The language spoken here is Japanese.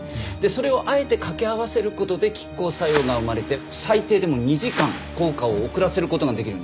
それをあえて掛け合わせる事で拮抗作用が生まれて最低でも２時間効果を遅らせる事ができるんです。